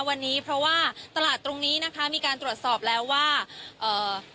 วันนี้เพราะว่าตลาดตรงนี้นะคะมีการตรวจสอบแล้วว่าเอ่อ